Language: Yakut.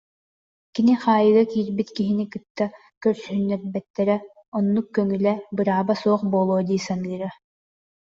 Кини хаайыыга киирбит киһини кытта көрсүһүннэрбэттэрэ, оннук көҥүлэ, бырааба суох буолуо дии саныыра